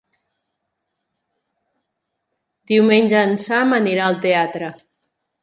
Diumenge en Sam anirà al teatre.